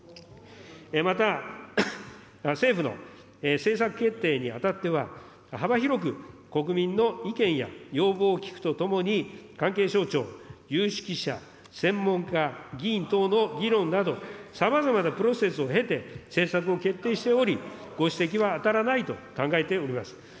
また政府の政策決定にあたっては、幅広く国民の意見や要望を聞くとともに、関係省庁、有識者、専門家、議員等の議論など、さまざまなプロセスを経て政策を決定しており、ご指摘は当たらないと考えております。